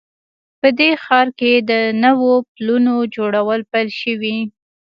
په دې ښار کې د نوو پلونو جوړول پیل شوي